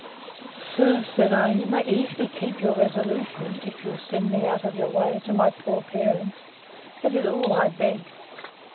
Sir, said I, you may easily keep your resolution, if you'll send me out of your way, to my poor parents; that is all I beg.